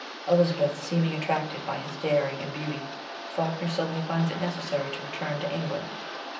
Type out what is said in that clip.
Elizabeth seeming attracted by his daring and beauty, Falkner suddenly finds it necessary to return to England.